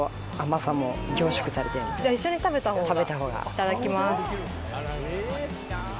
いただきます。